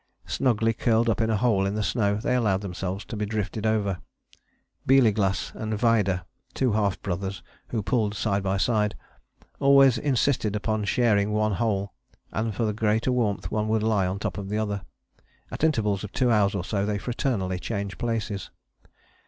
Snugly curled up in a hole in the snow they allowed themselves to be drifted over. Bieleglas and Vaida, two half brothers who pulled side by side, always insisted upon sharing one hole, and for greater warmth one would lie on the top of the other. At intervals of two hours or so they fraternally changed places.